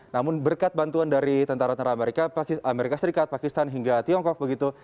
namun berkat bantuan dari tentara tentara amerika serikat pakistan hingga tiongkok begitu